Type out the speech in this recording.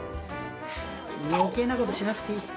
余計なことしなくていい！